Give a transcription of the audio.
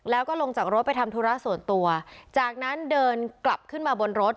แล้วก็ลงจากรถไปทำธุระส่วนตัวจากนั้นเดินกลับขึ้นมาบนรถ